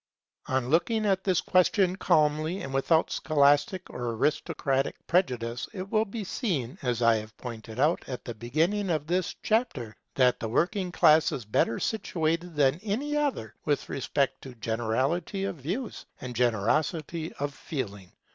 On looking at this question calmly and without scholastic or aristocratic prejudice, it will be seen, as I pointed out at the beginning of this chapter, that the working class is better situated than any other with respect to generality of views and generosity of feeling.